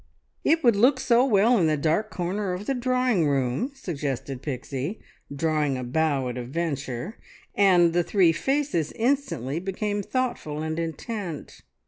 "It would look so well in the dark corner of the drawing room!" suggested Pixie, drawing a bow at a venture, and the three faces instantly became thoughtful and intent.